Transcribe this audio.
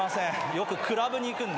よくクラブに行くんで。